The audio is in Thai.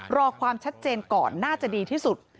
รอความชัดเจนก่อนน่าจะดีที่สุด